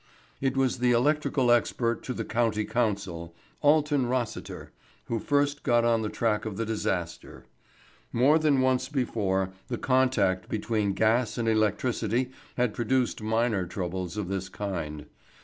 It was the electrical expert to the County Council Alton Rossiter who first got on the track of the disaster. More than once before, the contact between gas and electricity had produced minor troubles of this kind.